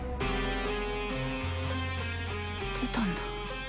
てたんだ。